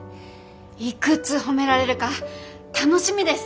いくつ褒められるか楽しみです！